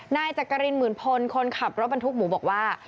นายจักรินหมื่นพลคนขับรถบรรทุกหมูบอกว่า